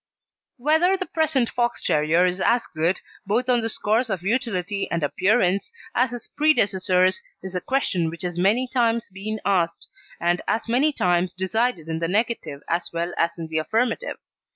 Whether the present Fox terrier is as good, both on the score of utility and appearance, as his predecessors is a question which has many times been asked, and as many times decided in the negative as well as in the affirmative.